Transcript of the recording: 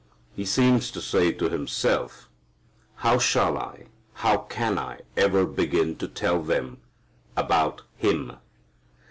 He seems to say to himself, "How shall I how can I ever begin to tell them about Him!"